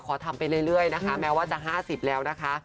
ทำไปเรื่อยนะคะแม้ว่าจะ๕๐แล้วนะคะ